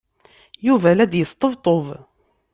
Yuba la d-yesṭebṭub.